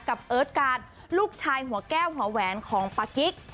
เอิร์ทการลูกชายหัวแก้วหัวแหวนของปากิ๊ก